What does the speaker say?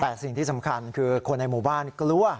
แต่สิ่งที่สำคัญคือคนในหมู่บ้านกลัว